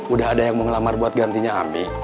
udah ada yang mau ngelamar buat gantinya ami